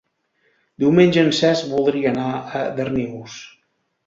Diumenge en Cesc voldria anar a Darnius.